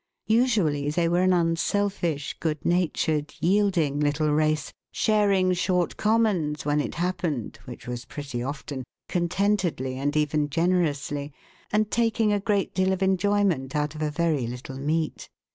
Usually they were an unselfish, good natured, yielding little race, sharing short commons when it happened (which was pretty often) con tentedly and even generously, and taking a great deal of enjoyment out of a very little meat.